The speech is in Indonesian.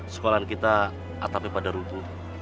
sekolah kita atapi pada rutu